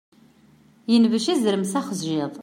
Yenbec azrem s axjiḍ.